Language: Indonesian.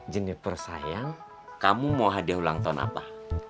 jeniper sayang kamu mau hadiah ulang tahun apa